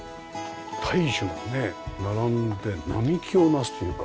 大樹がね並んで並木をなすというか。